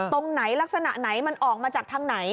ตรงไหนลักษณะไหนมันออกมาจากทางไหน